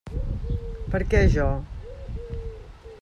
Per què jo?